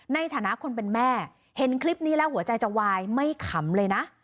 ในฐานะคนเป็นแม่เห็นคลิปนี้แล้วหัวใจจะวายไม่ขำเลยนะ